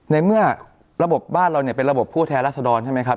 ในเมื่อระบบบ้านเราเนี่ยเป็นระบบผู้แทนรัศดรใช่ไหมครับ